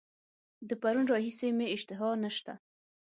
د پرون راهیسي مي اشتها نسته.